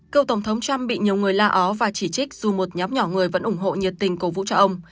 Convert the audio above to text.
cựu tổng thống trump bị nhiều người la ó và chỉ trích dù một nhóm nhỏ người vẫn ủng hộ nhiệt tình cổ vũ cho ông